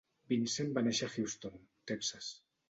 Vinson va néixer a Houston, Texas.